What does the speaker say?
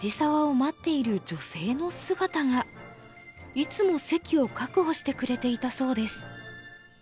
いつも席を確保してくれていたそうです。